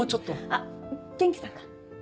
あっ元気さんが。